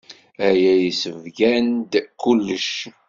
Aya yessebgan-d kullec.